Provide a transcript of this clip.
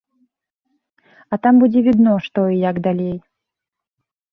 А там будзе відно, што і як далей.